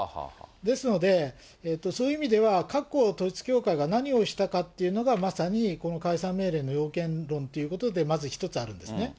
ですので、そういう意味では、過去統一教会が何をしたかっていうのが、まさにこの解散命令の要件論ということで、まず一つあるんですね。